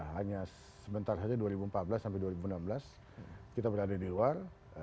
hanya sebentar saja dua ribu empat belas sampai dua ribu enam belas kita berada di luar